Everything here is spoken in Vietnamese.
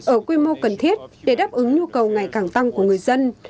ở quy mô cần thiết để đáp ứng nhu cầu ngày càng tăng của người dân